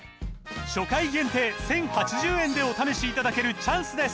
初回限定１，０８０円でお試しいただけるチャンスです